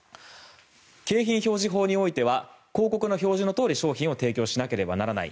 景品表示法においては広告の表示のとおり商品を提供しなければならない。